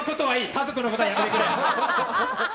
家族のことはやめてくれ！